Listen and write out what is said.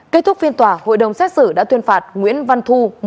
kết thúc phiên tòa hội đồng xét xử đã tuyên phạt nguyễn văn thu